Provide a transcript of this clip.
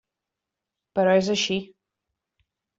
Però és així.